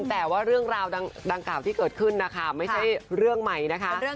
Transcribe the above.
แต่ว่าเรื่องราวดังกล่าวที่เกิดขึ้นนะคะไม่ใช่เรื่องใหม่นะคะ